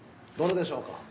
どれでしょうか？